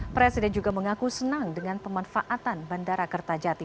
presiden juga mengaku senang dengan pemanfaatan bandara kertajati